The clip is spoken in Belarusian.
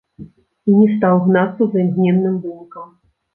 І не стаў гнацца за імгненным вынікам.